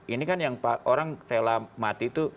ini kan yang orang rela mati itu